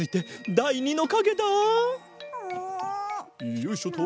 よいしょっと！